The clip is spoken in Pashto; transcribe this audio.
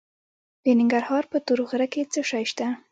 د ننګرهار په تور غره کې څه شی شته؟